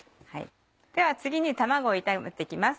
では次に卵を炒めて行きます。